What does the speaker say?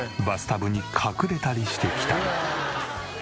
バスタブに隠れたりしてきた。